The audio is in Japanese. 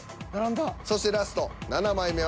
そしてラスト７枚目は。